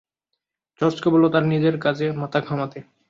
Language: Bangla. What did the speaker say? জর্জকে বলো তার নিজের কাজে মাথা ঘামাতে।